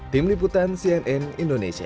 tim liputan cnn indonesia